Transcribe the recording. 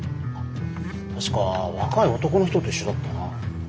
確か若い男の人と一緒だったな。